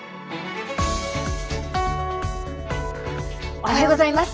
おはようございます。